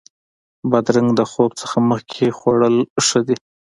بادرنګ د خوب نه مخکې خوړل ښه دي.